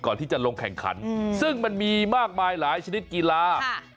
ก่อนที่จะลงแข่งขันซึ่งมันมีมากมายหลายชนิดกีฬา